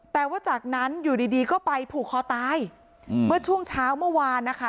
แต่ว่าจากนั้นอยู่ดีดีก็ไปผูกคอตายเมื่อช่วงเช้าเมื่อวานนะคะ